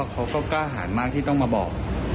เขาก็กล้าหารมากที่ต้องมาบอก